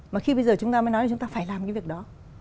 mà khi bây giờ chúng ta mới nói là chúng ta phải làm cái việc đó